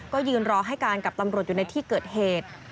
ก็ยืนรอให้การกับตำรวจอยู่ในที่เกิดเหตุ